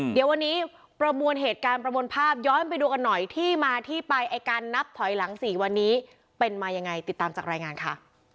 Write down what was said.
เดี๋ยววันนี้ประมวลเหตุการณ์ประมวลภาพย้อนไปดูกันหน่อยที่มาที่ไปไอ้การนับถอยหลัง๔วันนี้เป็นมายังไงติดตามจากรายงานค่ะ